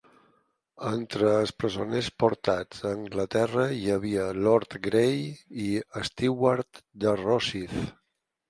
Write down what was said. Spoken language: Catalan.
Entre els presoners portats a Anglaterra hi havia Lord Gray i Stewart de Rosyth.